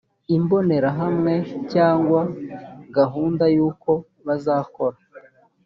imbonerahamwe cyangwa gahunda y uko bazakora